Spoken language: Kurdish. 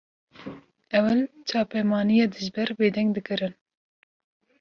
Ewil çapemeniya dijber bêdeng dikirin